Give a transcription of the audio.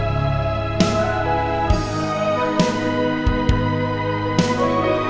terima kasih tuhan